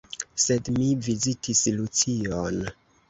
Sed mi vizitis Lucion.